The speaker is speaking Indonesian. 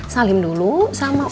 salim dulu sama omanya